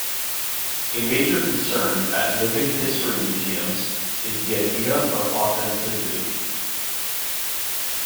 A major concern at living history museums is the idea of authenticity.